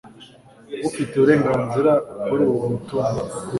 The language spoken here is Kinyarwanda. Ufite uburenganzira kuri uwo mutungo